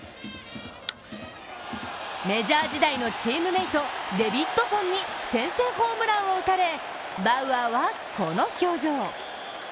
メジャー時代のチームメイト、デビッドソンに先制ホームランを打たれバウアーはこの表情。